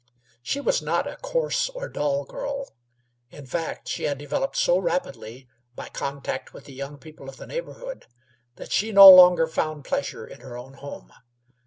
She was not a coarse or dull girl. In fact, she had developed so rapidly by contact with the young people of the neighborhood that she no longer found pleasure in her own home.